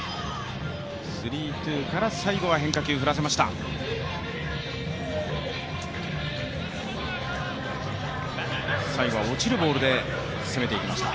スリーツーから、最後は変化球振らせました。